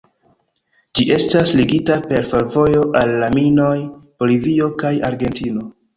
Ĝi estas ligita per fervojo al la minoj, Bolivio kaj Argentino.